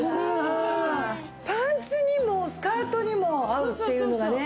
パンツにもスカートにも合うっていうのがね。